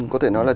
có thể nói là